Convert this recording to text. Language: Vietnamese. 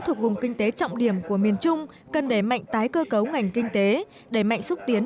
thuộc vùng kinh tế trọng điểm của miền trung cần đẩy mạnh tái cơ cấu ngành kinh tế đẩy mạnh xúc tiến